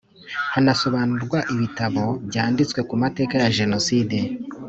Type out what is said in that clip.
Hanasobanurwa ibitabo byanditswe ku mateka ya Jenoside